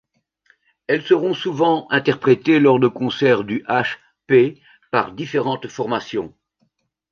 Elles seront souvent interprétées lors de concerts du H!P par différentes formations.